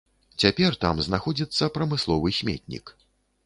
Цяпер там знаходзіцца прамысловы сметнік.